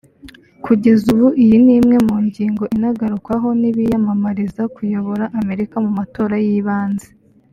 Kugeza ubu iyi ni imwe mu ngingo inagarukwaho n’ abiyamamariza kuyobora Amerika mu matora y’ibanze